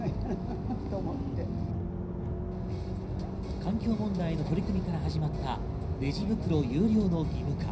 環境問題への取り組みから始まったレジ袋有料の義務化。